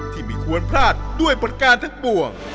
ที่ไม่ควรพลาดด้วยประการทั้งปวง